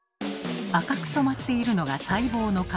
赤く染まっているのが細胞の壁。